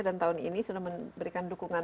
dan tahun ini sudah memberikan dukungan